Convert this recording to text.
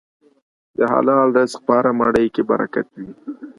د حلال رزق په هره مړۍ برکت وي.